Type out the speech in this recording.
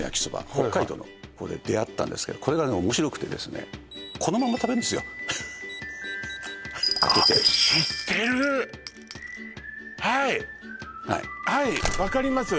北海道の出会ったんですけどこれが面白くてですねこのまま食べるんですよ開けてあっ知ってるはいはいはい分かります